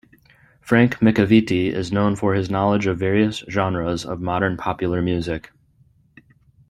Frank McAveety is known for his knowledge of various genres of modern popular music.